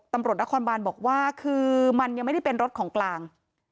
ตำรวจนครบานบอกว่าคือมันยังไม่ได้เป็นรถของกลาง